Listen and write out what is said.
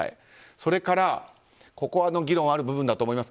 それから、ここは議論ある部分だと思います。